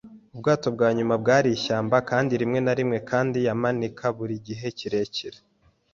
ubwato bwa nyuma, bwari ishyamba kandi rimwe na rimwe, kandi yamanika buri gihe kirekire